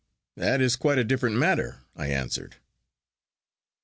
that is quite a different matter,' I answered.